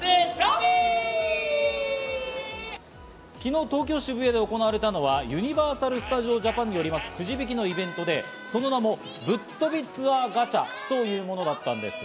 昨日、東京・渋谷で行われたのはユニバーサル・スタジオ・ジャパンによります、くじ引きのイベントで、その名も「ぶっとびツアーガチャ」というものだったんです。